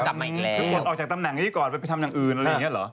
คือปลดออกจากตำแหน่งนี้ก่อนไปไปทำอย่างอื่นอะไรอย่างเงี้เหรอ